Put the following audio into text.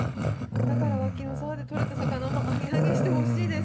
「だから脇野沢でとれた魚もあげあげしてほしいです」